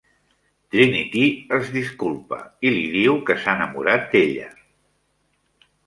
Trinity es disculpa i li diu que s'ha enamorat d'ella.